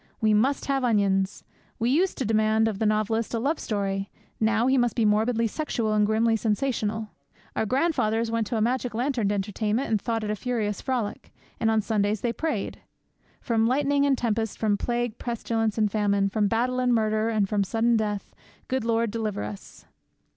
We must have onions. We used to demand of the novelist a love story; now he must be morbidly sexual and grimly sensational. Our grandfathers went to a magic lantern entertainment and thought it a furious frolic. And on Sundays they prayed. 'From lightning and tempest; from plague, pestilence, and famine; from battle and murder, and from sudden death, Good Lord, deliver us!'